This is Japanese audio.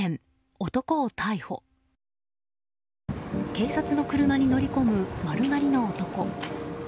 警察の車に乗り込む丸刈りの男。